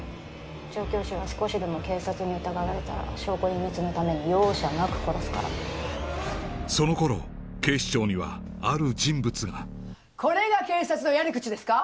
調教師は少しでも警察に疑われたら証拠隠滅のために容赦なく殺すからそのころ警視庁にはある人物がこれが警察のやり口ですか？